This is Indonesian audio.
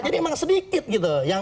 jadi memang sedikit gitu